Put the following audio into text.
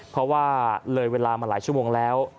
เพราะว่าเลยเวลามาหลายชั่วโมงแล้ว